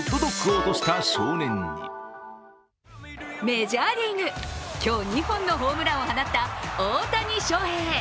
メジャーリーグ、今日２本のホームランを放った大谷翔平。